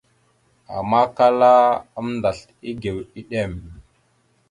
Ama kala aməndasl egew ɗiɗem.